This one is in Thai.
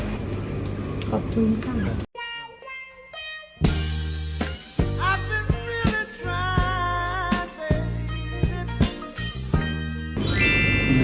ขอบคุณค่ะ